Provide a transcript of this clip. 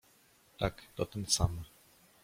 "Tak, to ten sam."